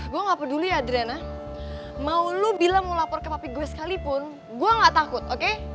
gue gak peduli ya drena mau lu bilang mau lapor ke papapi gue sekalipun gue gak takut oke